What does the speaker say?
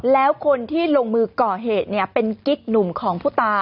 แล้วคนที่ลงมือก่อเหตุเป็นกิ๊กหนุ่มของผู้ตาย